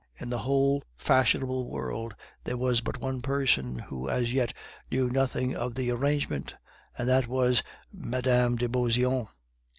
In the whole fashionable world there was but one person who as yet knew nothing of the arrangement, and that was Mme. de Beauseant.